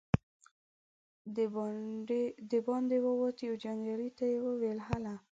د باندې ووت، يوه جنګيالي ته يې وويل: هله!